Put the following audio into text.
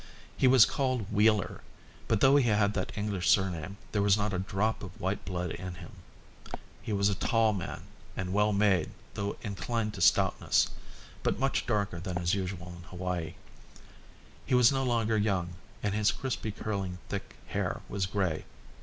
He was called Wheeler, but though he had that English surname there was not a drop of white blood in him. He was a tall man, and well made though inclined to stoutness, but much darker than is usual in Hawaii. He was no longer young, and his crisply curling, thick hair was grey.